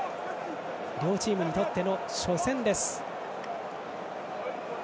両チームにとっての初戦です。